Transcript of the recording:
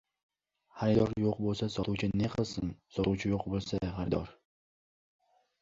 • Xaridor yo‘q bo‘lsa sotuvchi ne qilsin? Sotuvchi yo‘q bo‘lsa ― xaridor.